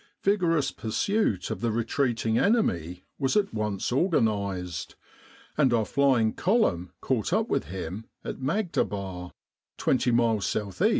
Vigorous pursuit of the retreating enemy was at once organised, and our flying column caught up with him at Maghdaba, twenty miles S.E.